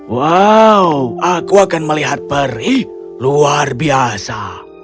wow aku akan melihat perih luar biasa